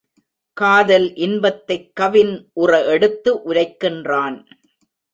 காதல் இன்பத்தைக் கவின் உற எடுத்து உரைக்கின்றான்.